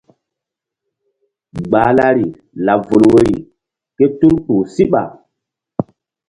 Gbahlari laɓ vul woyri ké tul kpuh síɓa.